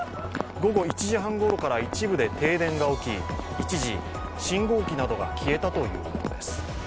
午後１時半ごろから一部で停電が起き、一時、信号機などが消えたということです。